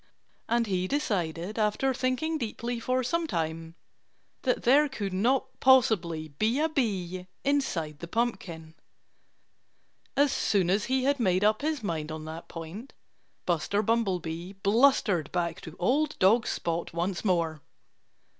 And he decided, after thinking deeply for some time, that there could not possibly be a bee inside the pumpkin. As soon as he had made up his mind on that point Buster Bumblebee blustered back to old dog Spot once more.